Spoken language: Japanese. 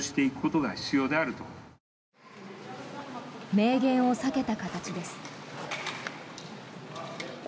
明言を避けた形です。